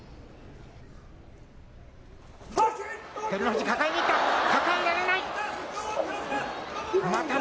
照ノ富士、抱えにいった。